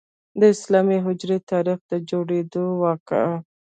د اسلامي هجري تاریخ د جوړیدو واقعه.